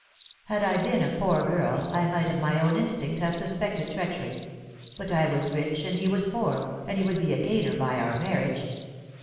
Had I been a poor girl I might of my own instinct have suspected treachery ; but I was rich and he was poor, and he would be a gainer by our marriage.